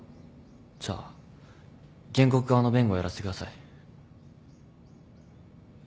じゃあ原告側の弁護をやらせてください。